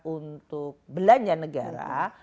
untuk belanja negara